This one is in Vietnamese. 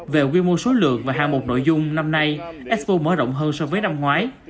về quy mô số lượng và hạng mục nội dung năm nay expo mở rộng hơn so với năm ngoái